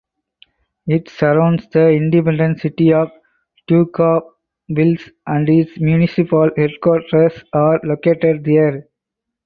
It surrounds the independent city of Daugavpils and its municipal headquarters are located there.